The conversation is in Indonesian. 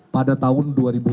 pada tahun dua ribu tujuh belas